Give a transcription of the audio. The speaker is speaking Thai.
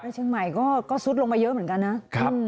เชียงใหม่ก็ซุดลงมาเยอะเหมือนกันนะครับ